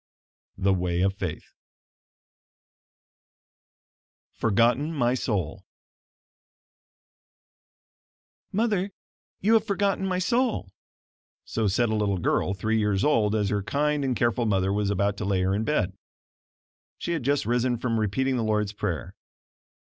The Way of Faith "FORGOTTEN MY SOUL" "Mother, you have forgotten my soul," so said a little girl, three years old as her kind and careful mother was about to lay her in bed. She had just risen from repeating the Lord's prayer.